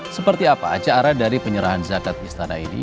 seperti apa acara dari penyerahan zakat istana ini